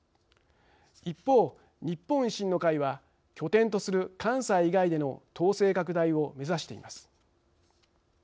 一方日本維新の会は拠点とする関西以外での党勢拡大を目指しています。